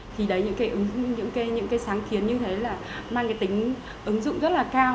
thì đấy những cái sáng kiến như thế là mang cái tính ứng dụng rất là cao